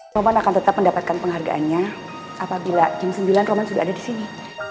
roman akan tetap mendapatkan penghargaannya apabila jam sembilan roman sudah ada di sini